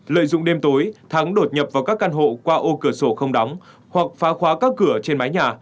lợi dụng đêm tối thắng đột nhập vào các căn hộ qua ô cửa sổ không đóng hoặc phá khóa các cửa trên mái nhà